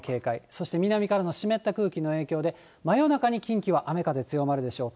そして南からの湿った空気の影響で真夜中に近畿は雨風強まるでしょう。